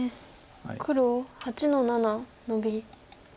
黒８の七ノビ。